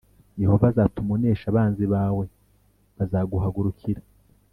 Yehova azatuma unesha abanzi bawe bazaguhagurukira.